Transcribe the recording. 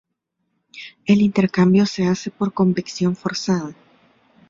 El intercambio se hace por convección forzada.